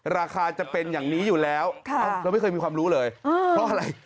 ราคาจะเป็นอย่างนี้อยู่แล้วเราไม่เคยมีความรู้เลยเพราะอะไร